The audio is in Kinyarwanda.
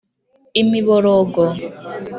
imiborogo